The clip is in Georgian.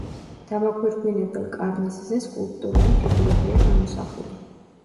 დამაგვირგვინებელ კარნიზზე სკულპტურული ფიგურებია გამოსახული.